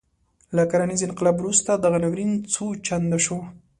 له کرنیز انقلاب وروسته دغه ناورین څو چنده شو.